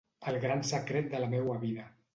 El gran secret de la meua vida.